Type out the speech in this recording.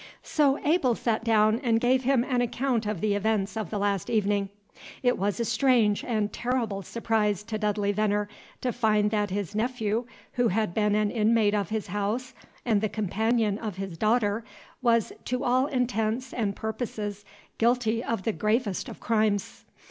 So Abel sat down and gave him an account of the events of the last evening. It was a strange and terrible surprise to Dudley Veneer to find that his nephew, who had been an inmate of his house and the companion of his daughter, was to all intents and purposes guilty of the gravest of crimes.